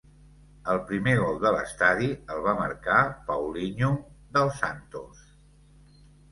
El primer gol de l'estadi el va marcar Paulinho, del Santos.